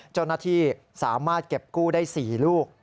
เจ้าหน้าที่สามารถเก็บกู้ได้๔ลูก